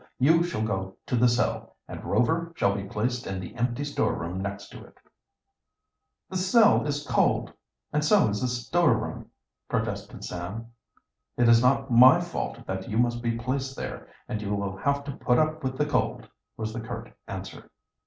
You shall go to the cell; and Rover shall be placed in the empty storeroom next to it." "The cell is ice cold, and so is the storeroom," protested Sam. "It is not my fault that you must be placed there, and you will have to put up with the cold," was the curt answer.